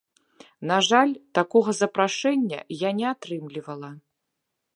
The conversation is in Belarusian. На жаль, такога запрашэння я не атрымлівала.